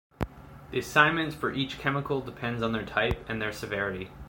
The assignments for each chemical depends on their type and their severity.